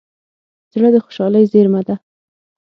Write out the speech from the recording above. زړه د خوشحالۍ زیمزمه ده.